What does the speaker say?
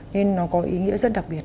nên nó có ý nghĩa rất đặc biệt